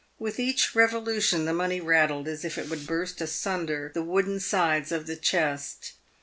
"With each revolution the money rattled as if it would burst asunder the wooden sides of the chest.